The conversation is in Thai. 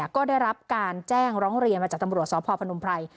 ก็ได้รับการแจ้งร้องเรียนมาจากตำรวจสพพนมไพร